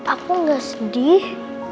aku gak sedih